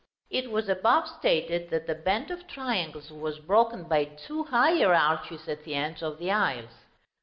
It was above stated, that the band of triangles was broken by two higher arches at the ends of the aisles.